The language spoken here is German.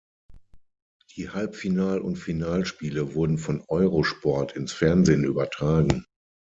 Die Halbfinal- und Finalspiele wurden von Eurosport ins Fernsehen übertragen.